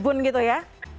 ipun gitu ya